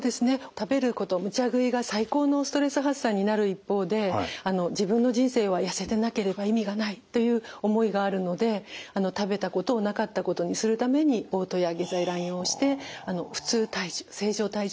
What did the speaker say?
食べることむちゃ食いが最高のストレス発散になる一方で自分の人生は痩せてなければ意味がないという思いがあるので食べたことをなかったことにするためにおう吐や下剤乱用して普通体重正常体重を維持しています。